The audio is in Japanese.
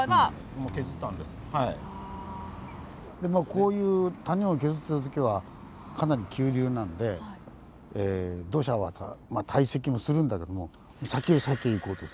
こういう谷を削ってた時はかなり急流なんで土砂はまあ堆積もするんだけども先へ先へ行こうとする。